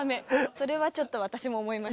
それはちょっと私も思います。